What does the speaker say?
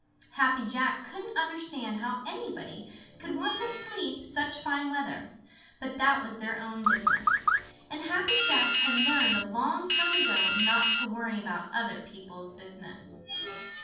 Happy Jack couldn't understand how anybody could want to sleep such fine weather, but that was their own business, and Happy Jack had learned a long time ago not to worry about other people's business.